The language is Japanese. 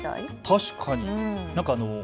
確かに。